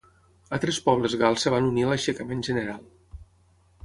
Altres pobles gals es van unir a l'aixecament general.